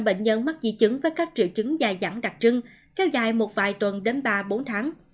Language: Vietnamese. bệnh nhân mắc di chứng với các triệu chứng dài dẳng đặc trưng kéo dài một vài tuần đến ba bốn tháng